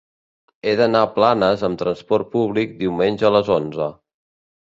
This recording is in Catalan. He d'anar a Planes amb transport públic diumenge a les onze.